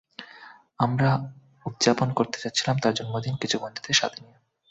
আমরা উদযাপন করতে যাচ্ছিলাম তার জন্মদিন কিছু বন্ধুদের সাথে নিয়ে।